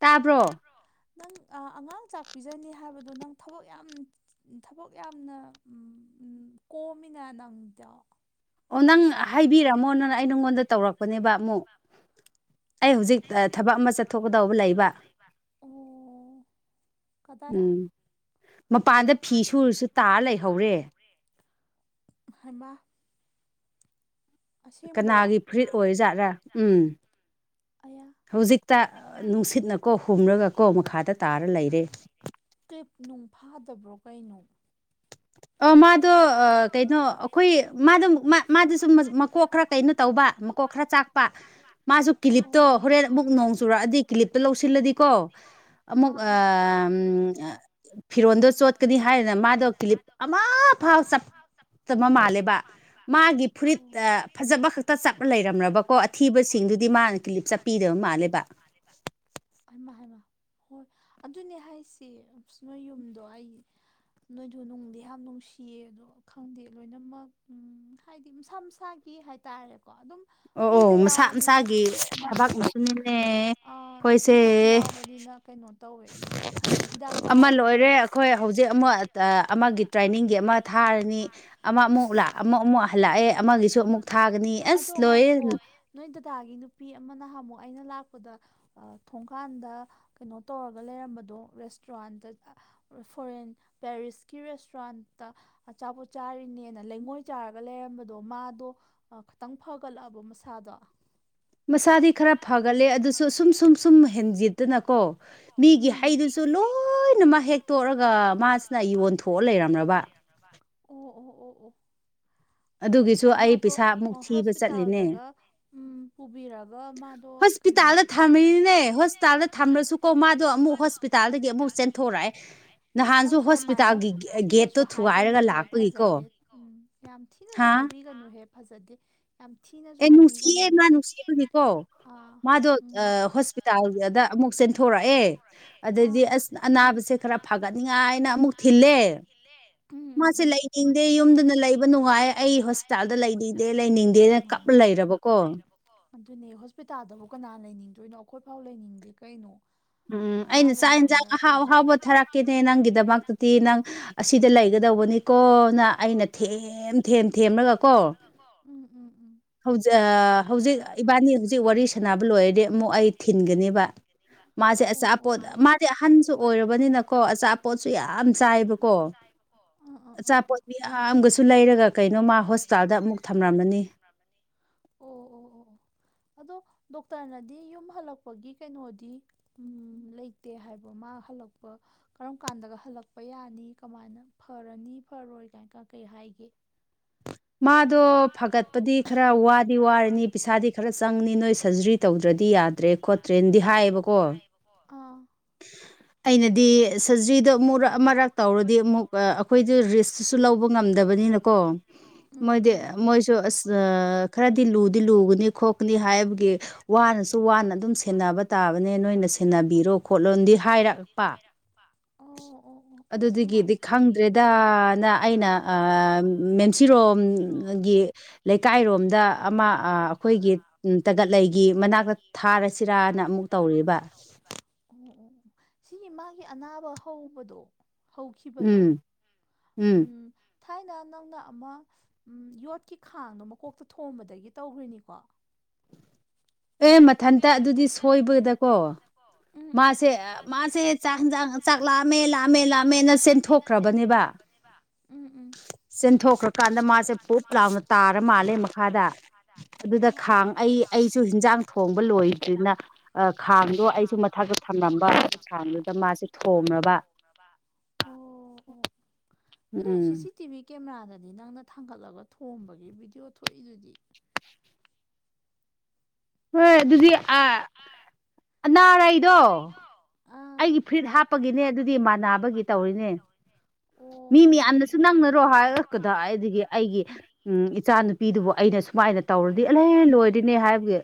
ꯇꯥꯕ꯭ꯔꯣ ꯅꯪ ꯑꯉꯥꯡ ꯆꯥꯛ ꯄꯤꯖꯅꯤ ꯍꯥꯏꯕꯗꯣ ꯅꯪ ꯊꯕꯛ ꯌꯥꯝ ꯊꯕꯛ ꯌꯥꯝꯅ ꯎꯝ ꯀꯣꯝꯃꯤꯅꯥ ꯅꯪ ꯗꯤ ꯑꯣ ꯅꯪ ꯍꯥꯏꯕꯤꯔꯝꯃꯣ ꯅꯪ ꯑꯩ ꯅꯪꯉꯣꯟꯗ ꯇꯧꯔꯛ ꯅꯦꯕ ꯑꯃꯨꯛ ꯑꯩ ꯍꯧꯖꯤꯛ ꯊꯕꯛ ꯑꯃ ꯆꯠꯊꯣꯛꯀꯥꯗꯕꯥ ꯂꯩꯕ ꯑꯣ ꯀꯗꯥꯏꯗ ꯎꯝ ꯃꯄꯥꯟꯗ ꯐꯤ ꯁꯨꯔꯁꯨ ꯇꯥꯔ ꯂꯩꯍꯧꯔꯦ ꯍꯩꯃꯥ ꯑꯁꯦꯡꯕꯔꯣ ꯀꯅꯥꯒꯤ ꯐꯨꯔꯤꯠ ꯑꯣꯏꯔꯤꯖꯥꯠ꯭ꯔꯥ ꯎꯝ ꯑꯌꯥ ꯍꯧꯖꯤꯛꯇ ꯅꯨꯡꯁꯤꯠꯅꯀꯣ ꯍꯨꯝꯔꯒ ꯀꯣ ꯃꯈꯥꯗ ꯇꯥꯔꯒꯥ ꯂꯩꯔꯦ ꯀꯞ ꯅꯨꯡ ꯐꯥꯗꯕ꯭ꯔꯥ ꯀꯩꯅꯣ ꯃꯥꯗꯣ ꯀꯩꯅꯣ ꯑꯩꯈꯣꯏ ꯃꯥꯗ ꯃꯥꯗꯨꯁꯨ ꯃꯀꯣꯛ ꯈꯔꯥ ꯀꯩꯅꯣ ꯇꯧꯕ ꯃꯀꯣꯛ ꯈꯔ ꯆꯥꯛꯄ ꯃꯥꯁꯨ ꯀꯤꯂꯤꯞꯇꯣ ꯑꯣ ꯍꯣꯔꯦꯟ ꯑꯃꯨꯛ ꯅꯣꯡ ꯆꯨꯔꯛꯑꯗꯤ ꯀꯤꯂꯤꯞꯇꯣ ꯂꯧꯁꯤꯜꯂꯗꯤꯀꯣ ꯑꯃꯨꯛ ꯑꯥ ꯐꯤꯔꯣꯟꯜꯗꯣ ꯆꯣꯠꯀꯅꯤ ꯍꯥꯏꯔꯥ ꯃꯥꯗꯣ ꯀ꯭ꯂꯤꯞ ꯑꯃꯐꯥꯎ ꯆꯥꯞꯇꯕ ꯃꯥꯜꯂꯦꯕ ꯃꯥꯒꯤ ꯑꯥ ꯐꯨꯔꯤꯠ ꯑꯣ ꯐꯖꯕ ꯈꯛꯇ ꯆꯞꯔꯒꯥ ꯂꯩꯔꯝꯔꯥꯕ ꯑꯊꯤꯕꯁꯤꯡꯗꯨꯗꯤ ꯃꯥꯅ ꯀ꯭ꯂꯤꯞ ꯆꯞꯄꯤꯗꯕ ꯃꯥꯜꯂꯦꯕꯥ ꯍꯩꯃꯥ ꯍꯩꯃꯥ ꯍꯣꯏ ꯑꯗꯨꯅꯦ ꯍꯥꯏꯁꯦ ꯅꯣꯏ ꯌꯨꯝꯗꯣ ꯑꯩ [inaudible] ꯅꯣꯏꯗꯣ ꯅꯨꯡꯗꯤ ꯌꯥꯝ ꯅꯨꯡꯁꯤꯌꯦ ꯑꯗꯣ ꯈꯪꯗꯦ ꯂꯣꯏꯅꯃꯛ ꯎꯝ ꯍꯥꯏꯗꯤ ꯃꯁꯥ ꯃꯁꯥꯒꯤ ꯍꯥꯏꯇꯥꯔꯦꯕꯥ ꯑꯣ ꯑꯣ ꯃꯁꯥ ꯃꯁꯥꯒꯤ ꯊꯕꯥꯛ ꯃꯇꯨꯡꯅꯦ ꯑ ꯏꯗꯁꯨ ꯌꯥꯎꯕꯅꯤꯅ ꯀꯩꯅꯣ ꯇꯣꯏ ꯎ ꯍꯥꯏꯗꯤ ꯍꯤꯗꯥꯛ ꯑꯃ ꯆꯥꯔꯁꯨ ꯂꯣꯏꯔꯦ ꯑꯩꯈꯣꯏ ꯍꯧꯖꯤꯛ ꯑꯃ ꯑꯃꯒꯤ ꯇ꯭ꯔꯦꯅꯤꯡꯒꯤ ꯑꯃ ꯊꯥꯔꯥꯅꯤ ꯑꯃ ꯑꯃꯨꯛ ꯑꯃꯨꯛ ꯑꯃꯨꯛ ꯍꯜꯂꯛꯑꯦ ꯑꯃꯒꯤ ꯁꯨ ꯑꯃꯨꯛ ꯊꯥꯒꯅꯤ ꯑꯁ ꯂꯣꯏꯌꯦ ꯗꯥꯒꯤ ꯅꯨꯄꯤ ꯑꯃ ꯅꯍꯥꯟꯃꯨꯛ ꯑꯩꯅ ꯂꯥꯛꯄꯗ ꯊꯣꯡꯀꯥꯟꯗ ꯀꯩꯅꯣ ꯇꯧꯔꯒ ꯂꯩꯔꯝꯕꯗꯣ ꯔꯦꯁꯇꯨꯔꯥꯟꯗ ꯐꯣꯔꯦꯟ ꯄꯦꯔꯤꯁꯀꯤ ꯔꯦꯁꯇ꯭ꯔꯥꯟꯇ ꯑꯆꯥꯄꯣꯠ ꯆꯥꯔꯤꯅꯦꯅ ꯂꯩꯉꯣꯏ ꯆꯥꯔꯒ ꯂꯩꯔꯝꯕꯗꯣ ꯃꯥ ꯑꯗꯣ ꯈꯤꯇꯡ ꯐꯒꯠꯂꯛꯑꯕ ꯃꯁꯥꯗꯣ ꯃꯁꯥꯗꯤ ꯈꯔꯥ ꯐꯒꯠꯂꯦ ꯑꯗꯨꯁꯨ ꯁꯨꯝ ꯁꯨꯝ ꯁꯨꯝ ꯍꯦꯟꯖꯤꯟꯇꯅꯀꯣ ꯃꯤꯒꯤ ꯎꯝ ꯍꯩꯗꯨꯁꯨ ꯂꯣꯏꯅꯃꯛ ꯍꯦꯛ ꯇꯣꯂꯒ ꯃꯥꯗꯨꯅ ꯌꯣꯟꯊꯣꯛꯑ ꯂꯩꯔꯝꯂꯕꯥ ꯑꯣ ꯑꯣ ꯑꯣ [inaudible] ꯐꯔꯦ ꯐꯔꯦ ꯑꯩ ꯃꯥꯗꯣ ꯄꯩꯁꯥ ꯑꯃꯨꯛ ꯊꯤꯕ ꯆꯠꯂꯤꯅꯦ ꯍꯣꯁꯄ꯭ꯤꯇꯥꯜꯗꯒ ꯎꯝ ꯄꯨꯕꯤꯔꯒ ꯃꯥꯗꯣ ꯀ ꯍꯣꯁꯄ꯭ꯤꯇꯥꯗ ꯊꯝꯃꯤꯅꯤꯅꯦ ꯍꯣꯁꯄꯤꯇꯥꯜꯗ ꯊꯝꯂꯁꯨꯀꯣ ꯃꯥꯗꯣ ꯑꯃꯨꯛ ꯍꯣꯁꯄ꯭ꯤꯇꯥꯜꯗꯥꯒꯤ ꯑꯃꯨꯛ ꯆꯦꯟꯊꯣꯔꯛꯑꯦ ꯑꯁ ꯅꯍꯥꯟꯁꯨ ꯅꯪꯁꯨ ꯑꯗꯨꯃꯥꯏꯅ ꯍꯣꯁꯄ꯭ꯤꯇꯥꯒꯤ ꯒꯦꯠꯇꯣ ꯊꯤꯅꯁꯨ ꯊꯨꯒꯥꯏꯔꯒ ꯍꯥꯏꯒꯅꯨꯍꯦ ꯂꯥꯛꯄ ꯐꯖꯗꯦ ꯎꯝ ꯌꯥꯝ ꯊꯤꯅꯁꯨ ꯍꯥꯏꯕꯤꯒꯅꯨꯍꯦ ꯐꯖꯗꯦ ꯌꯥꯝ ꯊꯤꯅꯁꯨ ꯑꯦ ꯅꯨꯡꯁꯤꯌꯦ ꯃꯥ ꯍꯥꯏꯕꯤꯒꯅꯣꯕ ꯅꯨꯡꯁꯤꯕꯒꯤꯀꯣ ꯑꯥ ꯃꯥꯗꯣ ꯎꯝ ꯍꯣꯁꯄ꯭ꯤꯇꯥꯜ ꯑꯃꯨꯛ ꯆꯦꯟꯊꯣꯔꯛꯑꯦ ꯑꯗꯩꯗꯤ ꯑꯥ ꯑꯁ ꯑꯅꯥꯕꯁꯦ ꯈꯔꯥ ꯐꯒꯠꯅꯤꯡꯉꯥꯏꯅ ꯑꯃꯨꯛ ꯊꯤꯜꯂꯦ ꯎꯝ ꯎꯝ ꯃꯥꯁꯦ ꯎꯝ ꯂꯩꯅꯤꯡꯗꯦ ꯃꯥꯅꯦ ꯌꯨꯝꯗꯅ ꯂꯩ ꯐꯕ ꯅꯨꯡꯉꯥꯏ ꯑꯩ ꯍꯣꯁꯄꯤꯇꯥꯜꯗ ꯂꯩꯅꯤꯡꯗꯦ ꯂꯩꯅꯤꯡꯗꯦꯅ ꯀꯞꯂ ꯂꯩꯔꯕꯀꯣ ꯑꯗꯨꯅꯦ ꯍꯣꯁꯄꯤꯇꯥꯜꯗꯕꯨ ꯀꯅꯥ ꯂꯩꯅꯤꯡꯗꯣꯏꯅꯣ ꯑꯩꯈꯣꯏꯐꯥꯎ ꯂꯩꯅꯤꯡꯗꯦ ꯀꯩꯅꯣ ꯎꯝ ꯑꯩꯅ ꯑꯅꯥꯕ ꯆꯥꯛ ꯃꯌꯥꯝ ꯌꯦꯟꯁꯥꯡ ꯑꯍꯥꯎ ꯃꯔꯛꯇꯨꯗ ꯑꯍꯥꯎꯕ ꯊꯥꯔꯛꯀꯦꯅꯦ ꯅꯪꯒꯤꯗꯃꯛꯇꯗꯤ ꯅꯪ ꯑꯁꯤꯗ ꯂꯩꯒ ꯇꯧꯕꯅꯤꯀꯣꯅ ꯑꯩꯅ ꯊꯦꯝ ꯊꯦꯝ ꯊꯦꯝꯂꯒ ꯀꯣ ꯎꯝ ꯎꯝ ꯎꯝ ꯍꯧꯖꯤꯛ ꯍꯧꯖꯤꯛ ꯏꯕꯥꯅꯤ ꯍꯧꯖꯤꯛ ꯋꯥꯔꯤ ꯁꯥꯟꯅꯕ ꯂꯣꯏꯔꯗꯤ ꯑꯃꯨꯛ ꯑꯩ ꯊꯤꯟꯒꯅꯦꯕ ꯃꯥꯁꯦ ꯑꯣ ꯑꯣ ꯑꯣ ꯑꯆꯥꯄꯣꯠ ꯑꯥ ꯃꯥꯁꯦ ꯑꯥ ꯑꯥ ꯑꯍꯟꯁꯨ ꯑꯣꯏꯔꯕꯅꯤꯅꯀꯣ ꯑꯆꯥꯄꯣꯠꯁꯨ ꯌꯥꯝ ꯆꯥꯏꯕꯀꯣ ꯑꯥ ꯑꯣ ꯑꯆꯥꯄꯣꯠ ꯃꯌꯥꯝꯒꯁꯨ ꯂꯩꯔꯒ ꯀꯩꯅꯣ ꯃꯥ ꯍꯣꯁꯄꯤꯇꯥꯜꯗ ꯑꯃꯨꯛ ꯊꯝꯂꯝꯃꯅꯤ [inaudible] ꯑꯣ ꯑꯣ ꯑꯣ ꯑꯗꯣ ꯗꯣꯛꯇꯔꯅꯗꯤ ꯌꯨꯝ ꯍꯜꯂꯛꯄꯒꯤ ꯀꯩꯅꯣꯗꯤ ꯎ ꯂꯩꯇꯦ ꯍꯥꯏꯕ ꯃꯥ ꯍꯜꯂꯛ ꯀꯔꯝ ꯀꯥꯟꯗꯒ ꯍꯜꯂꯛꯄ ꯌꯥꯅꯤ ꯀꯃꯥꯏꯅ ꯐꯔꯅꯤ ꯐꯔꯣꯏ ꯀꯥꯏꯅ ꯀ ꯀꯩ ꯍꯥꯏꯒꯦ [inaudible] ꯃꯥꯗꯣ ꯐꯒꯠꯄꯗꯤ ꯈꯔ ꯋꯥꯗꯤ ꯋꯥꯔꯅꯤ ꯄꯩꯁꯥꯗꯤ ꯈꯔ ꯆꯪꯅꯤ ꯅꯣꯏ ꯁꯔꯖꯔꯤ ꯇꯧꯗ꯭ꯔꯗꯤ ꯌꯥꯗ꯭ꯔꯦ ꯈꯣꯠꯇ꯭ꯔꯦꯅ ꯍꯥꯏꯌꯦꯕꯀꯣ ꯑꯥ ꯑꯩꯅꯗꯤ ꯁꯔꯖꯔꯤ ꯗꯣ ꯑꯃꯨꯛꯔꯥꯛ ꯑꯃꯔꯛ ꯇꯧꯔꯗꯤ ꯑꯃꯨꯛ ꯑꯈꯣꯏꯗꯤ ꯔꯤꯁꯇꯨꯁꯨ ꯂꯧꯕ ꯉꯝꯗꯕꯅꯤꯅꯀꯣ ꯎꯝ ꯃꯣꯏꯗꯤ ꯎꯝ ꯃꯣꯏꯁꯨ ꯑꯁ ꯈꯔꯗꯤ ꯂꯨꯗꯤ ꯂꯨꯒꯅꯤ ꯈꯣꯠꯀꯅꯤ ꯍꯥꯏꯕꯒꯤ ꯋꯥꯅꯁꯨ ꯇꯨ ꯋꯥꯅ ꯑꯗꯨꯝ ꯁꯦꯟꯅꯕ ꯇꯥꯕꯅꯦ ꯅꯣꯏꯅ ꯁꯦꯟꯅꯕꯤꯔꯣ ꯈꯣꯠꯂꯣꯗꯤ ꯍꯥꯏꯔꯛꯄ ꯑꯣ ꯑꯣ ꯑꯣ [inaudible] ꯑꯁ ꯑꯗꯨꯗꯒꯤꯗꯤ ꯅꯨꯡꯉꯥꯏꯇꯦꯅꯦ ꯈꯪꯗ꯭ꯔꯦꯗꯅ ꯑꯩꯅ ꯃꯦꯟꯁꯤꯔꯣꯝ ꯒꯤ ꯂꯩꯀꯥꯏꯔꯣꯝꯗ ꯑꯃ ꯑꯈꯣꯏꯒꯤ ꯇꯒꯠꯂꯩꯒꯤ ꯃꯅꯥꯛꯇ ꯊꯥꯔꯁꯤꯔꯥ ꯍꯅ ꯑꯃꯨꯛ ꯇꯧꯔꯤꯕ ꯑꯣ ꯑꯣ ꯑꯣ ꯁꯤꯒꯤ ꯃꯥꯒꯤ ꯑꯅꯥꯕ ꯍꯧꯕꯗꯣ ꯍꯧꯈꯤꯕꯗꯣ ꯎꯝ ꯎꯝ ꯊꯥꯏꯅ ꯅꯪꯅ ꯑꯃ ꯌꯣꯠꯀꯤ ꯈꯥꯡꯗꯣ ꯃꯀꯣꯛꯇ ꯊꯣꯝꯕꯗꯒꯤ ꯇꯧꯈ꯭ꯔꯤꯅꯤꯀꯣ ꯑꯦ ꯃꯊꯟꯇ ꯑꯗꯨꯗꯤ ꯁꯣꯏꯕꯗꯀꯣ ꯎꯝ ꯎꯝ ꯃꯥꯁꯦ ꯃꯥꯁꯦ ꯆꯥꯛꯖꯥꯡ ꯆꯥꯛ ꯂꯥꯝꯃꯦ ꯂꯥꯝꯃꯦ ꯂꯥꯝꯃꯦꯅ ꯆꯦꯟꯊꯣꯛꯈ꯭ꯔꯕꯅꯦꯕ ꯎꯝ ꯎꯝ ꯆꯦꯟꯊꯣꯛꯈ꯭ꯔꯀꯥꯟꯗ ꯃꯥꯁꯦ ꯄꯨꯞ ꯂꯥꯎꯅ ꯇꯥꯔ ꯃꯥꯜꯂꯦ ꯃꯈꯥꯗ ꯑꯗꯨꯗ ꯑꯥ ꯑꯥ ꯈꯥꯡ ꯑꯩ ꯑꯥ ꯑꯩꯁꯨ ꯍꯤꯟ ꯊꯣꯡꯕ ꯂꯣꯏꯗ꯭ꯔꯤꯅ ꯈꯥꯡꯗꯣ ꯑꯩꯁꯨ ꯃꯊꯛꯇ ꯊꯝꯂꯝꯕ ꯈꯥꯡꯗꯨꯗ ꯃꯥꯁꯦ ꯊꯣꯝ ꯃꯕ ꯑꯗꯨ ꯅꯣꯏ ꯁꯤꯁꯤ ꯇꯤꯕꯤ ꯀꯦꯃꯦꯔꯥꯗꯗꯤ ꯅꯪꯅ ꯊꯥꯡꯒꯠꯂꯒ ꯊꯣꯝꯕꯒꯤ ꯚꯤꯗꯤꯑꯣ ꯊꯣꯛꯏꯗꯨꯗꯤ ꯍꯣꯏ ꯑꯗꯨꯗꯤ ꯑ ꯑꯅꯥꯔꯥꯏꯗꯣ ꯑꯥ ꯑꯩꯒꯤ ꯐꯨꯔꯤꯠ ꯍꯥꯞꯄꯒꯤꯅꯦ ꯑꯗꯨꯗꯤ ꯃꯥꯟꯅꯕꯒꯤ ꯇꯧꯔꯤꯅꯦ ꯑꯣ ꯃꯤ ꯑꯣ ꯑꯣ ꯃꯌꯥꯝꯅꯁꯨ ꯑꯣ ꯅꯪꯅꯔꯣ ꯍꯥꯏꯔꯒ ꯀꯥꯏꯗꯥꯏꯗꯒꯤ ꯑꯩꯒꯤ ꯎꯝ ꯏꯆꯥ ꯅꯨꯨꯄꯤ ꯑꯩꯅ ꯁꯨꯃꯥꯏꯅ ꯇꯧꯔꯗꯤ ꯑꯦꯂ ꯂꯣꯏꯔꯤꯅꯦ ꯍꯥꯏꯕꯒꯤ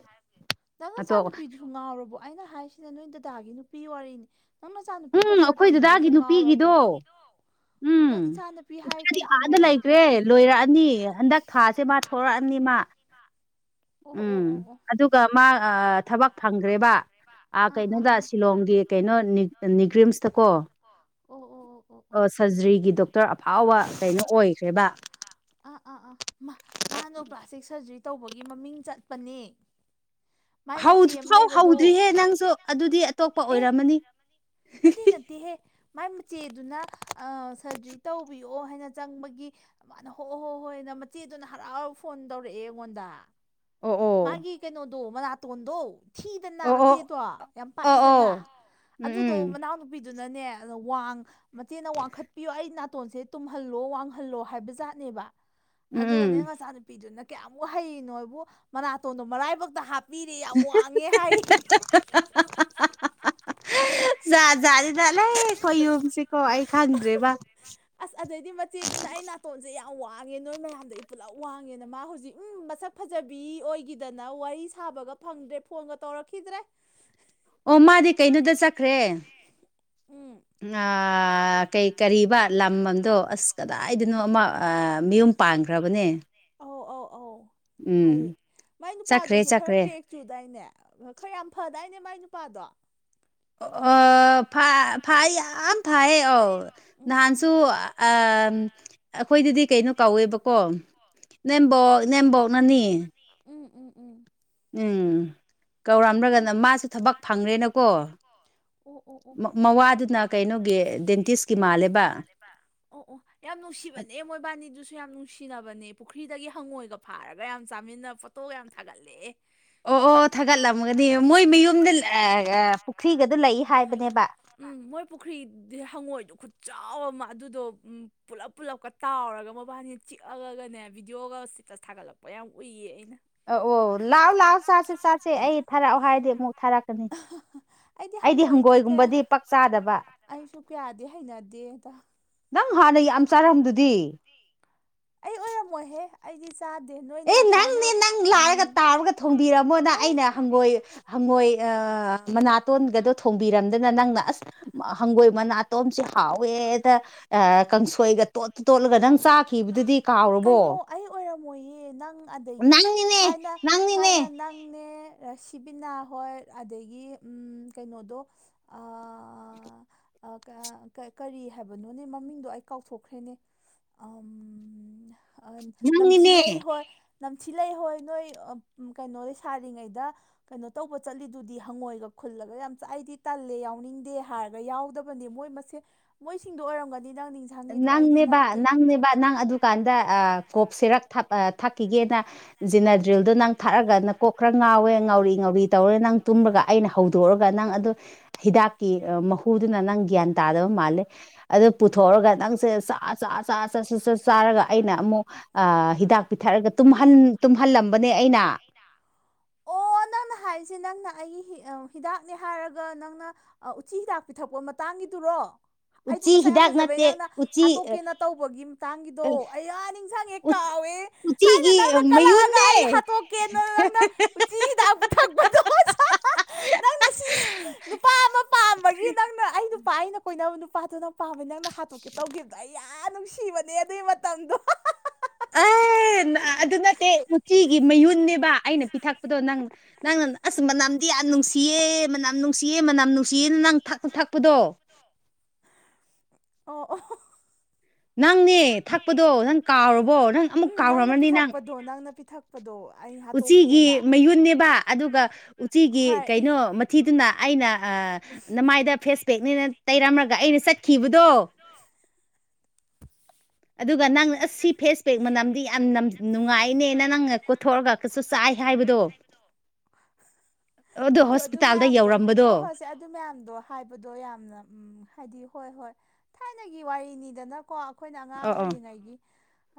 ꯅꯪ ꯑꯇꯣꯞ ꯑꯆꯥꯅꯨꯄꯤꯗꯨꯁꯨ ꯉꯥꯎꯔꯕꯣ ꯑꯩꯅ ꯍꯥꯏꯁꯤꯅ ꯅꯣꯏ ꯗꯗꯥꯒꯤ ꯅꯨꯄꯤ ꯋꯥꯔꯤꯅꯤ ꯅꯪ ꯅꯆꯥꯅꯨꯄꯤ ꯎꯝ ꯗꯣꯛꯇꯔ ꯑꯩꯈꯣꯏ ꯇꯝꯕꯗꯨꯁꯨ ꯗꯗꯥꯒꯤ ꯉꯥꯎꯔꯕꯣ ꯅꯨꯄꯤꯒꯤꯗꯣ ꯎꯝ ꯅꯪ ꯏꯆꯥꯅꯨꯄꯤ ꯍꯥꯏ ꯃꯥꯗꯤ ꯀꯩꯒꯤꯅꯣ ꯑꯥꯗ ꯑꯣ ꯂꯩꯈ꯭ꯔꯦ ꯂꯣꯏꯔꯛꯑꯅꯤ ꯍꯟꯗꯛ ꯊꯥꯁꯦ ꯃꯥ ꯊꯣꯛꯔꯛꯑꯅꯤ ꯃꯥ ꯑꯣ ꯎꯝ ꯑꯣ ꯑꯣ ꯑꯗꯨꯒ ꯃꯥ ꯊꯕꯛ ꯐꯪꯈ꯭ꯔꯦꯕ ꯑꯥ ꯀꯩꯅꯣꯗ ꯁꯤꯂꯣꯡꯒꯤ ꯀꯩꯅꯣ ꯅꯤꯒ꯭ꯔꯤꯝꯁꯇꯀꯣ ꯑꯣ ꯑꯣ ꯑꯣ ꯑꯣ ꯑꯣ ꯁꯔꯖꯔꯤꯒꯤ ꯗꯣꯛꯇꯔ ꯑꯐꯥꯎꯕ ꯀꯩꯅꯣ ꯑꯣꯏꯈ꯭ꯔꯦꯕ ꯏꯃꯥ ꯃꯥꯅ ꯄ꯭ꯂꯥꯁꯇꯤꯛ ꯁꯔꯖꯔꯤ ꯇꯧꯕꯒꯤ ꯃꯃꯤꯡ ꯆꯠꯄꯅꯦ ꯃꯥꯏ ꯃꯆꯦ ꯑꯃ ꯍꯧꯁꯨ ꯂꯩꯕꯗꯣ ꯍꯧꯗ꯭ꯔꯤꯍꯦ ꯅꯪꯁꯨ ꯑꯗꯨꯗꯤ ꯑꯇꯣꯞꯄ ꯑꯦ ꯑꯣꯏꯔꯝꯃꯅꯤ ꯅꯠꯇꯦ ꯅꯠꯇꯦꯍꯦ ꯃꯥꯏ ꯃꯆꯦꯗꯨꯅ ꯁꯔꯖꯔꯤ ꯇꯧꯕꯤ ꯌꯣ ꯍꯥꯏꯅ ꯆꯪꯕꯒꯤ ꯃꯥꯅ ꯍꯣ ꯍꯣ ꯍꯣꯏ ꯍꯥꯏꯅ ꯃꯆꯦꯗꯨꯅ ꯍꯔꯥꯎꯔ ꯐꯣꯟ ꯇꯧꯔꯛꯑꯦ ꯑꯩꯉꯣꯟꯗ ꯑꯣ ꯑꯣ ꯃꯥꯒꯤ ꯀꯩꯅꯣꯗꯣ ꯃꯅꯥꯇꯣꯟꯗꯣ ꯊꯤꯗꯅ ꯑꯣ ꯑꯣ ꯃꯆꯦꯗꯣ ꯌꯥꯝ ꯑꯣ ꯄꯥꯛꯏꯗꯅ ꯑꯣ ꯑꯗꯨꯗꯣ ꯎꯝ ꯃꯅꯥꯎꯅꯨꯄꯤ ꯑꯗꯨꯅꯅꯦ ꯑꯗ ꯋꯥꯡ ꯃꯆꯦꯅ ꯋꯥꯡꯈꯠꯄꯤꯌꯨ ꯑꯩ ꯅꯥꯇꯣꯟꯁꯦ ꯇꯨꯝꯍꯜꯂꯣ ꯋꯥꯡꯍꯜꯂꯣ ꯍꯥꯏꯕꯖꯥꯠꯅꯦꯕ ꯎꯝ ꯎꯝ ꯎꯝ ꯑꯗꯨꯒꯅꯦ ꯅꯪ ꯆꯥꯅꯄꯤꯗꯨꯅ ꯀꯌꯥꯝꯃꯨꯛ ꯍꯩꯔꯤꯅꯦꯕꯨ ꯃꯅꯥꯇꯣꯟꯗꯣ ꯃꯔꯥꯏꯕꯛꯇ ꯍꯥꯞ ꯃꯤꯗꯤ ꯌꯥꯝ ꯋꯥꯡꯉꯦ ꯍꯥꯏ ꯖꯥ ꯖꯥꯠꯗꯤꯗ ꯂꯩꯈꯣꯏ ꯌꯨꯝꯁꯤꯀꯣ ꯑꯩ ꯈꯪꯗ꯭ꯔꯦꯕ ꯑꯁ ꯑꯗꯩꯗꯤ ꯃꯆꯦꯗꯨꯅ ꯑꯩꯩꯅ ꯅꯥꯇꯣꯟꯁꯦ ꯌꯥ ꯌꯥꯝ ꯋꯥꯡꯉꯦ ꯅꯣꯏ ꯃꯌꯥꯝꯗꯒꯤ ꯄꯨꯂꯞ ꯋꯥꯡꯉꯦꯅ ꯃꯥ ꯍꯧꯖꯤꯛ ꯎ ꯃꯁꯛ ꯐꯖꯕ ꯄꯤ ꯑꯣꯏꯈꯤꯗꯅ ꯋꯥꯔꯤ ꯁꯥꯕꯒ ꯐꯪꯗ꯭ꯔꯦ ꯐꯣꯟꯒ ꯇꯧꯔꯛꯈꯤꯗ꯭ꯔꯦ ꯑꯣ ꯃꯥꯗꯤ ꯀꯩꯅꯣꯗ ꯆꯠꯈ꯭ꯔꯦ ꯎꯝ ꯑ ꯀꯩ ꯀꯔꯤꯕ ꯂꯝ ꯑꯗꯣ ꯑꯁ ꯀꯗꯥꯏꯗꯅꯣ ꯑꯃ ꯃꯌꯨꯝ ꯄꯥꯟꯈ꯭ꯔꯕꯅꯦ ꯑꯧ ꯑꯧ ꯑꯧ [inaudible] ꯍꯥꯏꯌꯦ ꯃꯥꯏ ꯆꯠꯈ꯭ꯔꯦ ꯅꯨꯄꯥꯗꯨꯁꯨ ꯈꯔ ꯆꯠꯈ꯭ꯔꯦ ꯀ꯭ꯔꯦꯛ ꯆꯨꯗꯥꯏꯅꯦ ꯈꯔ ꯌꯥꯝ ꯐꯗꯥꯏꯅꯦ ꯃꯥꯏ ꯅꯨꯄꯥ ꯄꯥꯗ ꯑ ꯐ ꯐꯥꯏ ꯌꯥꯝ ꯐꯥꯏꯌꯦ ꯑ ꯎꯝ ꯙꯥꯟꯁꯨ ꯑ ꯑꯩꯈꯣꯏꯗꯗꯤ ꯀꯩꯅꯣ ꯀꯧꯋꯦꯕꯀꯣ ꯅꯦꯝꯕꯣꯛꯅꯦꯝꯕꯣꯛꯅꯅꯤ ꯎꯝ ꯎꯝ ꯎꯝ ꯎꯝ ꯎꯝ ꯀꯧꯔꯝꯅꯒꯅ ꯃꯥꯁꯨ ꯊꯕꯛ ꯐꯪꯉꯦꯅꯀꯣ ꯑꯣ ꯑꯣ ꯑꯣ ꯑꯣ ꯃꯋꯥꯗꯨꯅ ꯀꯩꯅꯣꯒꯤ ꯗꯦꯟꯇꯤꯁꯀꯤ ꯃꯥꯜꯂꯦꯕ ꯑꯣ ꯑꯣ ꯌꯥꯝ ꯅꯨꯡꯁꯤꯕꯅꯦ ꯃꯣꯏꯕꯥꯅꯤꯗꯨꯁꯨ ꯌꯥꯝ ꯅꯨꯡꯁꯤ ꯁꯤꯅꯕꯅꯦ ꯄꯨꯈ꯭ꯔꯤꯗꯒꯤ ꯍꯪꯉꯣꯏꯒ ꯐꯥꯔꯒ ꯌꯥꯝ ꯆꯥꯃꯤꯟꯅ ꯐꯣꯇꯣ ꯌꯥꯝ ꯊꯥꯒꯠꯂꯛꯑꯦ ꯑꯣ ꯑꯣ ꯊꯥꯒꯠꯂꯝꯒꯗꯤ ꯃꯣꯏ ꯃꯌꯨꯝꯗ ꯄꯨꯈ꯭ꯔꯤꯒ ꯎꯝ ꯃꯣꯏ ꯄꯨꯈ꯭ꯔꯤꯗꯤ ꯍꯪꯉꯣꯏꯗꯨ ꯆꯥꯎꯕ ꯑꯃ ꯑꯗꯨꯗꯣ ꯄꯨꯂꯞ ꯄꯨꯂꯞꯀ ꯇꯥꯎꯔꯒ ꯃꯕꯥꯅꯤꯅ ꯆꯤꯛꯑꯒꯅꯦ ꯕꯤꯗꯤꯑꯣꯒ ꯆꯤꯛꯀꯠ ꯊꯥꯒꯠꯂꯛꯄ ꯌꯥꯝ ꯎꯏꯌꯦ ꯑꯩꯅ ꯑ ꯑꯣ ꯂꯥꯛꯑꯣ ꯂꯥꯛꯑꯣ ꯆꯥꯁꯦ ꯆꯥꯁꯦ ꯑꯩ ꯊꯥꯔꯛꯑꯣ ꯍꯥꯏꯔꯗꯤ ꯑꯃꯨꯛ ꯊꯥꯔꯛꯀꯅꯤ ꯑꯩꯗꯤ ꯍꯪꯉꯣꯏꯗꯤ ꯀꯌꯥ ꯍꯪꯒꯣꯏꯒꯨꯝꯕꯗꯤ ꯄꯥꯛ ꯆꯥꯗꯕ ꯑꯩꯁꯨ ꯀꯌꯥꯗꯤ ꯍꯩꯅꯗꯦꯗ ꯅꯪ ꯍꯥꯟꯅ ꯌꯥꯝ ꯆꯥꯔꯝꯗꯨꯗꯤ ꯑꯩ ꯑꯣꯏꯔꯝꯃꯣꯏꯍꯦ ꯑꯩꯗꯤ ꯆꯥꯗꯦ ꯅꯣꯏꯅ ꯑꯦ ꯊꯥꯏꯅ ꯅꯪꯅꯦ ꯅꯪ ꯎꯝ ꯂꯥꯛꯑꯒ ꯇꯥꯔꯒ ꯊꯣꯡꯕꯤꯔꯝꯃꯣꯅ ꯑꯦ ꯑꯩꯅ ꯍꯪꯒꯣꯏ ꯍꯪꯉꯣꯏ ꯃꯅꯥꯇꯣꯟꯒꯗꯣ ꯊꯣꯡꯕꯤꯔꯝꯗꯅ ꯅꯪꯅ ꯑꯁ ꯍꯪꯒꯣꯏ ꯃꯅꯥꯇꯣꯟꯝꯁꯦ ꯍꯥꯎꯋꯦ ꯑꯦꯗ ꯀꯥꯡꯁꯣꯏꯒ ꯇꯣꯠꯠꯇ ꯇꯣꯠꯂꯒ ꯅꯪ ꯆꯥꯈꯤꯕꯗꯨꯗꯤ ꯀꯥꯎꯔꯕꯣ ꯀꯩꯅꯣ ꯑꯩ ꯑꯣꯏꯔꯝꯃꯣꯏꯌꯦ ꯅꯪ ꯑꯗꯒꯤ ꯅꯪꯅꯤꯅꯦ ꯊꯥꯏꯅ ꯅꯪꯅꯤꯅꯦ ꯊꯥꯏꯅ ꯅꯪꯅꯦ ꯁꯤꯕꯤꯅꯥ ꯍꯣꯏ ꯑꯗꯒꯤ ꯀꯩꯅꯣꯗꯣ ꯑꯥ [inaudible] ꯀꯔꯤ ꯍꯥꯏꯕꯅꯣꯅꯦ ꯃꯃꯤꯡꯗꯣ ꯑꯩ ꯀꯥꯎꯊꯣꯛꯈ꯭ꯔꯦꯅꯦ ꯑ ꯅꯝꯊꯤ ꯅꯪꯅꯤꯅꯦ ꯂꯩ ꯍꯣꯏ ꯅꯝꯊꯤ ꯂꯩꯩ ꯍꯣꯏ ꯅꯣꯏ ꯀꯩꯅꯣꯗꯩ ꯁꯥꯔꯤꯉꯩꯗ ꯀꯩꯅꯣ ꯇꯧꯕ ꯆꯠꯂꯤꯗꯨꯗꯤ ꯍꯪꯉꯣꯏꯒ ꯈꯨꯜꯂꯒ ꯌꯥꯝ ꯆꯥꯛꯥꯏꯗꯤ ꯇꯜꯂꯦ ꯌꯥꯎꯅꯤꯡꯗꯦ ꯍꯥꯏꯔꯒ ꯌꯥꯎꯗꯕꯅꯤ ꯃꯣꯏ ꯃꯁꯦ ꯃꯣꯏꯁꯤꯡꯗꯣ ꯑꯣꯏꯔꯝꯒ ꯅꯪꯅꯦꯕ ꯅꯪꯅꯦꯕ ꯅꯪ ꯑꯗꯨꯀꯥꯟꯗ ꯑ ꯀꯣꯛꯁꯤꯔꯛ ꯊꯥꯛꯈꯤꯒꯦꯅ ꯖꯤꯅꯗ꯭ꯔꯤꯜꯗꯣ ꯅꯪ ꯊꯥꯛꯑꯒꯅ ꯀꯣꯛ ꯈꯔ ꯉꯥꯎꯋꯦ ꯉꯥꯎꯔꯤ ꯉ ꯇꯧꯔꯦ ꯅꯪ ꯇꯨꯝꯒ ꯑꯩꯅ ꯍꯧꯗꯣꯛꯎꯑꯒ ꯅꯪ ꯑꯗꯨ ꯍꯤꯗꯥꯛꯀꯤ ꯃꯍꯨꯗꯨꯅ ꯅꯪ ꯒ꯭ꯌꯥꯟ ꯇꯥꯔ ꯃꯥꯜ ꯊꯑꯒ ꯅꯪꯁꯦ ꯆ ꯆ ꯆ ꯆꯠ ꯆ ꯆꯠ ꯆꯥꯔꯒ ꯑꯩꯅ ꯑꯃꯨꯛ ꯍꯤꯗꯥꯛ ꯄꯤꯊꯔꯒ ꯇꯨꯝ ꯇꯨꯝꯍꯜꯂꯝꯕꯅꯦ ꯑꯩꯅ ꯅꯅ ꯍꯥꯏꯔꯤꯁꯦ ꯅꯪꯅ ꯑꯩꯒꯤ ꯍꯤꯗꯥꯛꯅꯦ ꯍꯥꯏꯔꯒ ꯅꯪꯅ ꯎꯆꯤ ꯍꯤꯗꯥꯛ ꯄꯤꯊꯛꯄ ꯃꯇꯥꯡꯒꯤꯗꯨ ꯀ꯭ꯔꯣ ꯑꯩꯗꯣ ꯎꯆꯤ ꯃꯁꯥ ꯌꯥꯝ ꯍꯤꯗꯥꯛ ꯐꯖꯕꯩ ꯅꯠꯇꯦ ꯅꯪꯅ ꯎꯆꯤ ꯑ, ꯍꯥꯠꯇꯣꯛꯀꯦꯅ ꯇꯧꯕꯒꯤ ꯃꯇꯥꯡꯒꯤꯗꯣ ꯑꯩꯌꯥ ꯅꯤꯡꯁꯥꯡꯉꯦ ꯀꯥ ꯎꯆ ꯎꯆꯤꯒꯤ ꯃꯩꯗꯦ ꯍꯤꯗꯊꯛꯄ ꯅꯪꯅ ꯁꯤ ꯅꯨꯄꯥ ꯑꯃ ꯄꯥꯝꯕꯒꯤ ꯎ ꯅꯪꯅ ꯑꯩ ꯄꯥꯏ ꯅꯩꯅ ꯀꯣꯏꯅꯕ ꯅꯨꯄꯥꯗꯣ ꯅꯪ ꯄꯥꯝꯕꯩ ꯅꯪꯅ ꯍꯥꯠꯇꯣꯛꯀꯦ ꯇꯧꯈꯤꯕꯗꯣ ꯑꯩ ꯌꯥꯝ ꯅꯨꯡꯁꯤꯕꯅꯦ ꯑꯗꯨꯒꯤ ꯃꯇꯝꯗꯣ ꯑꯥ ꯑꯗꯨ ꯅꯠꯇꯦ ꯎꯆꯤꯒꯤ ꯃꯌꯨꯟꯅꯦꯕ ꯑꯩꯅ ꯄꯤꯊꯛꯄꯗꯣ ꯅꯪ ꯅꯪꯅ ꯑꯁ ꯃꯅꯥꯝ ꯗꯤ ꯌꯥꯝ ꯅꯨꯡꯁꯤꯌꯦ ꯃꯅꯌꯥꯝ ꯅꯨꯡꯁꯤꯌꯦ ꯃꯅꯝ ꯅꯨꯡꯁꯤꯌꯦꯅ ꯅꯪ ꯊ ꯊꯛꯄꯗꯣ [inaudible] ꯑꯣ ꯑꯣ ꯅꯪꯅꯦ ꯊꯛꯄꯗꯣ ꯅꯪ ꯀꯥꯎꯔꯕꯣ ꯅꯪ ꯑꯃꯨꯛ ꯀꯥꯎꯈꯃꯅꯤ ꯅꯪ ꯊꯛꯄꯗꯣ ꯎꯆꯤꯒꯤ ꯃꯌꯨꯟꯅꯦꯕ ꯑꯗꯨꯒ ꯎꯆꯤꯒꯤ ꯍꯣꯏ ꯀꯩꯅꯣ ꯃꯊꯤꯗꯨꯅ ꯑꯩꯅ ꯅꯃꯥꯏꯗ ꯐꯦꯁꯄꯦꯛꯅꯦꯅ ꯇꯩꯔꯝꯃꯒ ꯑꯩꯅ ꯆꯠꯈꯤꯕꯗꯣ ꯑꯗꯨꯒ ꯅꯪ ꯑꯁ ꯁꯤ ꯐꯦꯁ ꯄꯦꯛ ꯃꯅꯝꯗꯤ ꯌꯥꯝ ꯅꯨꯡꯉꯥꯏꯅꯦ ꯅꯪꯅ ꯀꯣꯊꯣꯛꯑꯒ ꯀꯩꯁꯨ ꯆꯥꯏ ꯍꯥꯏꯕꯗꯣ [inaudible] ꯑꯗꯣ ꯑꯗꯨ ꯑꯗꯨ ꯍꯣꯁꯄꯤꯇꯥꯜꯗ ꯃꯌꯥꯝꯗꯣ ꯌꯧꯔꯝꯕꯗꯣ ꯍꯣꯏ ꯍꯣꯏꯁꯦ ꯑꯗꯨ ꯃꯌꯥꯝꯗꯣ ꯍꯥꯏꯕꯗꯣ ꯌꯥꯝꯅ ꯍꯥꯏꯗꯤ ꯍꯣꯏ ꯍꯣꯏ ꯊꯥꯏꯅꯒꯤ ꯋꯥꯔꯤꯅꯤꯗꯅꯀꯣ ꯑꯩꯈꯣꯏꯅ ꯑꯉꯥꯡ ꯑꯣ ꯑꯣ ꯑꯣꯏꯔꯤꯉꯩꯒꯤ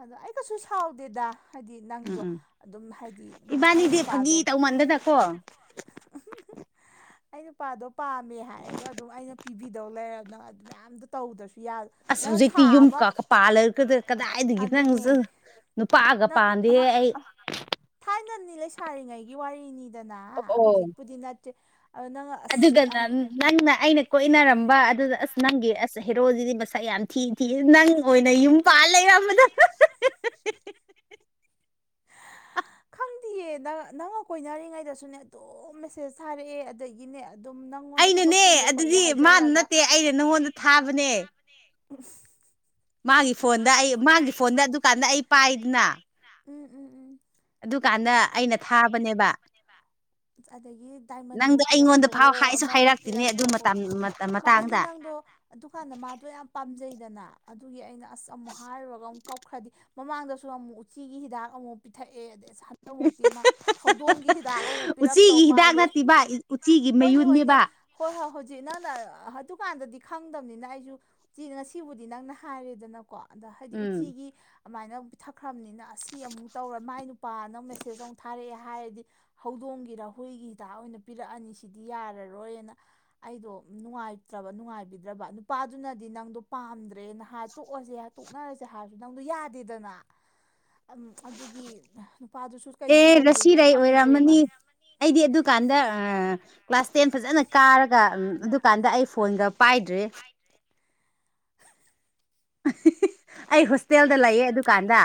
ꯑꯗꯣ ꯑꯩ ꯀꯩꯁꯨ ꯁꯥꯎꯗꯦꯗ ꯍꯥꯏꯗꯤ ꯎꯝ ꯅꯪꯗꯣ ꯎꯝ ꯑꯗꯨꯝ ꯍꯥꯏꯗꯤ ꯎ ꯑꯩ ꯏꯕꯥꯅꯤꯗꯤ ꯐꯥꯒꯤ ꯅꯨꯄꯥꯗꯣ ꯇꯧꯃꯟꯗꯅꯀꯣ ꯑꯩ ꯅꯨꯄꯥꯗꯣ ꯄꯥꯝꯃꯦ ꯍꯥꯏꯔꯒ ꯑꯗꯨꯝ ꯑꯩꯅ ꯄꯤꯕꯤꯗꯧ ꯂꯩꯔꯕꯅ ꯑꯗꯨ ꯃꯌꯥꯝꯗꯣ ꯇꯧꯗ꯭ꯔꯁꯨ ꯌꯥ ꯑꯁ ꯅꯪ ꯍꯧꯖꯤꯛꯇꯤ ꯊꯥ ꯌꯨꯝ ꯑꯃ ꯀ ꯄꯥꯜꯂꯒ ꯀꯗꯥꯏꯗꯒꯤ ꯅꯪ ꯑꯗꯨꯅꯦ ꯅꯨ ꯄꯥꯛꯒ ꯄꯥꯗꯦ ꯑꯩ ꯑꯩꯅꯅꯤ ꯂꯩꯁꯥꯔꯤꯉꯩꯒꯤ ꯋꯥꯔꯤꯅꯤꯗꯅ ꯍꯧꯖꯤꯛꯄꯨꯗꯤ ꯅꯠꯇꯦ ꯑꯗꯨꯒꯅ ꯅꯪꯅ ꯑꯩꯅ ꯀꯣꯏꯅꯔꯝꯕ ꯑꯗꯨꯗ ꯑꯁ ꯅꯪꯒꯤ ꯑꯁ ꯍꯦꯔꯣꯖꯤꯗꯤ ꯃꯁꯛ ꯌꯥꯝ ꯊꯤ ꯊꯤ ꯅꯪ ꯑꯣꯏꯅ ꯌꯨꯝ ꯄꯥ ꯂꯩꯔꯝꯕꯗ [inaudible] ꯅꯪꯗꯤꯌꯦ ꯅꯪꯒ ꯀꯣꯏꯅꯔꯤꯉꯩꯗꯁꯨꯅꯦ ꯑꯗꯨꯝ ꯃꯦꯁꯦꯁ ꯊꯥꯔꯛꯑꯦ ꯑꯗꯒꯤꯅꯦ ꯑꯗꯨꯝ ꯅꯪꯉꯣꯟꯗ ꯊꯕꯛ ꯑꯩꯅꯅꯦ ꯆꯤꯜꯂꯦ ꯈꯣꯠꯂꯦ ꯑꯗꯨꯗꯤ ꯃꯥꯅ ꯍꯥꯏꯖꯜꯂꯒ ꯅꯠꯇꯦ ꯑꯩꯅ ꯅꯉꯣꯟꯗ ꯊꯥꯕꯅꯦ ꯎ ꯃꯥꯒꯤ ꯐꯣꯟꯗ ꯑꯩ ꯃꯥꯒꯤ ꯐꯣꯟꯗ ꯑꯗꯨꯗꯨꯀꯥꯟꯗ ꯑꯩ ꯄꯥꯏꯗꯅ ꯎꯝ ꯎꯝ ꯎꯝ ꯑꯗꯨꯀꯥꯟꯗ ꯑꯩꯅ ꯊꯥꯕꯅꯦꯕ ꯑꯗꯒꯤ ꯅꯪꯗꯣ ꯗꯥꯏꯃꯟꯕꯨ ꯑꯩꯉꯣꯟꯗ ꯐꯥꯎ ꯄꯤꯔꯛꯄꯍꯣ ꯍꯥꯏꯁꯨ ꯑꯃꯕꯨ ꯍꯥꯏꯔꯛꯇꯤꯅꯦ ꯑꯗꯨ ꯄꯤꯔꯛꯄ ꯍꯣ ꯃꯇꯝ ꯑꯩꯗꯤ ꯃꯇꯥꯡꯗ ꯅꯪꯗꯣ ꯑꯗꯨꯀꯥꯟꯗ ꯃꯥꯗꯣ ꯌꯥꯝ ꯄꯥꯝꯖꯩꯗ ꯗꯅ ꯑꯗꯨꯒꯤ ꯑꯩꯅ ꯑꯁ ꯑꯃꯨꯛ ꯍꯥꯏꯔꯨꯔꯒ ꯑꯃꯨꯛ ꯀꯞ ꯈ꯭ꯔꯗꯤ ꯃꯃꯥꯡꯗꯁꯨ ꯑꯃꯨꯛ ꯎꯆꯤꯒꯤ ꯍꯤꯗꯥꯛ ꯑꯃꯨꯛ ꯄꯤꯊꯛ ꯑꯦ ꯑꯁ ꯍꯟꯗꯧꯃꯨꯛꯇꯤ ꯃꯥ ꯍꯧꯗꯣꯡꯒꯤ ꯍꯤꯗꯥꯛ ꯑꯃꯨꯛ ꯄꯤꯔꯛꯇꯧ ꯎꯆꯤꯒꯤ ꯍꯤꯗꯥꯛ ꯃꯥꯜꯂꯤ ꯅꯠꯇꯦꯕ ꯎꯆꯤꯒꯤ ꯍꯣꯏꯅꯦ ꯃꯌꯨꯟꯅꯦꯕ ꯍꯣꯏꯅꯦ ꯍꯣꯏ ꯍꯣꯏ ꯍꯧꯖꯤꯛ ꯅꯪꯅ ꯗꯨꯀꯥꯟꯗꯗꯤ ꯈꯪꯗꯕꯅꯤꯅ ꯑꯩꯁꯨ ꯆ ꯉꯁꯤꯕꯨꯗꯤ ꯅꯪꯅ ꯍꯥꯏꯔꯦꯗꯅꯀꯣ ꯑꯗ ꯍꯥꯏꯗꯤ ꯎꯝ ꯎꯆꯤꯒꯤ ꯑꯗꯨꯃꯥꯏꯅ ꯄꯤꯊꯛꯈ꯭ꯔꯕꯅꯤꯅ ꯑꯁꯤ ꯑꯃꯨꯛ ꯇꯧꯔ ꯃꯥꯏ ꯅꯨꯄꯥꯅ ꯃꯦꯁꯦꯖ ꯑꯃꯨꯛ ꯊꯥꯔꯛꯑꯦ ꯍꯥꯏꯔꯗꯤ ꯍꯧꯗꯣꯡꯒꯤ ꯄꯤꯔ ꯍꯨꯏꯒꯤ ꯍꯤꯗꯥꯛ ꯑꯣꯏꯅ ꯄꯤꯔꯛꯑꯅꯤ ꯁꯤꯗꯤ ꯌꯥꯔꯔꯣꯏꯅ ꯑꯩꯗꯣ ꯅꯨꯡꯉꯥꯏꯇ꯭ꯔꯕ ꯅꯨꯡꯉꯥꯏ ꯄꯕꯤꯗ꯭ꯔꯕ ꯅꯨꯄꯥꯗꯨꯅꯗꯤ ꯅꯪꯗꯣ ꯄꯥꯝꯗ꯭ꯔꯦ ꯅꯍ ꯇꯣꯛꯑꯁꯦ ꯇꯣꯛꯅꯔꯁꯦ ꯍꯥꯏꯔꯁꯨ ꯅꯪꯗꯣ ꯌꯥꯗꯦꯗꯅ [inaudible] ꯎꯝ ꯑꯗꯨꯒꯤ ꯅꯨꯄꯥꯗꯨꯁꯨ ꯀꯩꯅꯣ ꯑꯦ ꯇꯧꯗꯣꯏꯗꯣ ꯔꯁꯤꯔꯩ ꯈꯪꯗ꯭ꯔꯦꯕ ꯑꯣꯏꯔꯝꯃꯅꯤ ꯑꯩꯗꯤ ꯑꯗꯨꯀꯥꯟꯗ ꯀ꯭ꯂꯥꯁ ꯇꯦꯟ ꯐꯖꯅ ꯀꯥꯔꯒ ꯎ ꯑꯗꯨꯀꯥꯟꯗ ꯑꯩ ꯐꯣꯟꯒ ꯄꯥꯏꯗ꯭꯭ꯔꯦ ꯑꯩ ꯍꯣꯁꯇꯦꯜꯗ ꯂꯩꯌꯦ ꯑꯗꯨꯀꯥꯟꯗ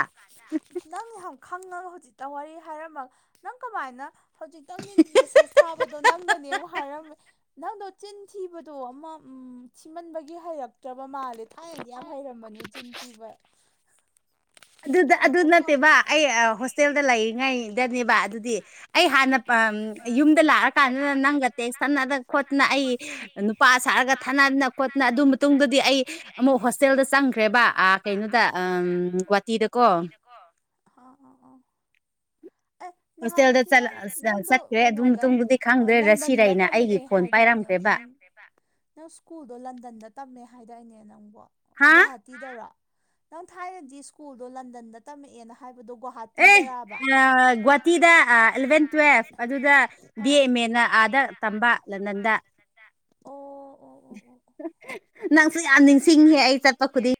ꯍꯧꯖꯤ ꯋꯥꯔꯤ ꯍꯥꯏꯔꯝꯃꯒ ꯅꯪ ꯀꯃꯥꯏꯅ ꯍꯧꯖꯤꯛꯇꯪꯗꯤ ꯃꯦꯁꯦꯁ ꯊꯥꯕꯗꯣ ꯅꯪꯗꯅꯦ ꯑꯃꯨꯛ ꯍꯥꯏꯔꯝꯃꯦ ꯅꯪꯗꯣ ꯆꯤꯟ ꯊꯤꯕꯗꯣ ꯑꯃ ꯁꯤꯃꯟꯕꯒꯤ ꯍꯩꯔꯛꯇ꯭ꯔꯕ ꯃꯥꯜꯂꯦ ꯊꯥꯏꯅꯗꯤ ꯌꯥꯝ ꯍꯩꯔꯃꯅꯤ ꯆꯤꯟ ꯊꯤꯕ ꯑꯗꯨꯗ ꯑꯗꯨ ꯉꯥꯏꯈꯣꯀꯣ ꯅꯠꯇꯦꯕ ꯑꯩ ꯍꯣꯁꯇꯦꯜꯗ ꯂꯩ ꯉꯩꯗꯅꯦꯕ ꯑꯗꯨꯗꯤ ꯑꯩ ꯍꯥꯟꯅ ꯌꯨꯝ ꯂꯥꯛꯑꯀꯥꯟꯗ ꯅꯪꯒ ꯇꯦꯛꯁ ꯊꯥꯅꯗꯅ ꯈꯣꯠꯇꯅ ꯑꯩ ꯅꯨꯄꯥ ꯁꯥꯔꯒ ꯊꯥꯅꯗꯅ ꯈꯣꯠꯇꯅ ꯑꯗꯨ ꯃꯇꯨꯡꯗꯗꯤ ꯑꯩ ꯑꯃꯨꯛ ꯍꯣꯁꯇꯦꯜꯗ ꯆꯪꯈ꯭ꯔꯦꯕ ꯀꯩꯅꯣꯗ ꯒꯨꯍꯥꯇꯤꯗꯀꯣ ꯑ ꯍꯣꯁꯇꯦꯜꯗ ꯆꯠꯈ꯭ꯔꯦ ꯑꯗꯨ ꯀꯩꯅꯣꯗ ꯃꯇꯨꯡꯗꯨꯗꯤ ꯈꯪꯗ꯭ꯔꯦ ꯂꯟꯗꯟꯗ ꯔꯁꯤꯔꯩꯅ ꯇꯝꯃꯛꯑꯦ ꯑꯩꯒꯤ ꯐꯣꯟ ꯍꯥꯏꯗꯥꯏꯅꯦ ꯄꯥꯏꯔꯝꯒꯦ ꯅꯪ ꯁ꯭ꯀꯨꯜꯗꯣ ꯂꯟꯗꯟꯗ ꯇꯝꯃꯦ ꯍꯥꯏꯗ ꯑꯩꯅꯦ [inaudible] ꯍꯥ ꯑꯕꯗꯣ ꯑꯦ ꯒꯣꯍꯥꯇꯤꯗꯔꯥꯑꯕ ꯑ ꯒꯨꯍꯥꯇꯤꯗ ꯑꯦꯂꯚꯦꯟ ꯇꯨꯋꯦꯜꯐ ꯑꯗꯨꯗ ꯕꯤ ꯑꯦ ꯑꯥ ꯑꯦꯝ ꯑꯦꯅ ꯑꯥꯗ ꯇꯝꯕ ꯂꯟꯗꯟꯗ ꯑꯣ ꯑꯣ ꯑꯣ ꯑꯣ ꯅꯪꯁꯨ ꯌꯥꯝ ꯅꯤꯡꯁꯤꯡꯉꯦ ꯑꯩ ꯆꯠꯄ ꯈꯨꯗꯤꯡ